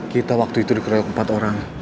kita waktu itu dikeroyok empat orang